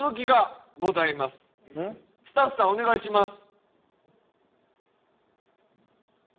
スタッフさんお願いします。